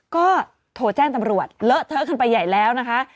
ก็โทรแจ้งตำรวจเลอะเทอะกันไปใหญ่แล้วนะคะ